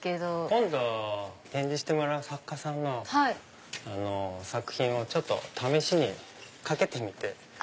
今度展示してもらう作家さんの作品を試しに掛けてみて。